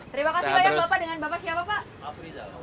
terima kasih banyak bapak dengan bapak siapa pak